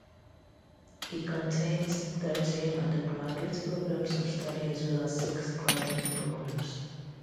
It contains thirteen undergraduate programs of study as well as six graduate programs.